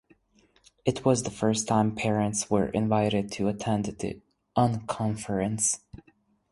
It was the first time parents were invited to attend the unconference.